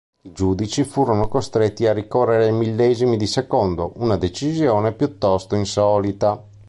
I giudici furono costretti a ricorrere ai millesimi di secondo, una decisione piuttosto insolita.